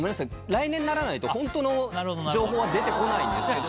来年にならないとホントの情報は出てこないんですけど。